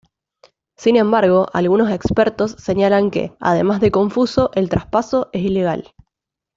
Sin embargo, algunos expertos señalan que, además de confuso, el traspaso es ilegal.